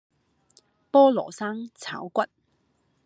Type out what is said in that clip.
菠蘿生炒骨